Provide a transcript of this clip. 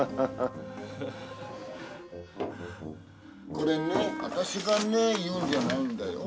これね私がね言うんじゃないんだよ。